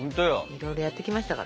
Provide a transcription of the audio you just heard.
いろいろやってきましたからね。